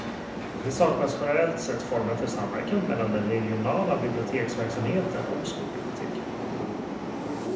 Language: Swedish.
Det saknas generellt sett former för samverkan mellan den regionala biblioteksverksamheten och skolbiblioteken.